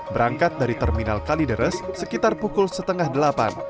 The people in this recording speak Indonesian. berangkat dari terminal kalideres sekitar pukul setengah delapan